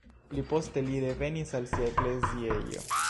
Pli poste li revenis al sia ekleziejo.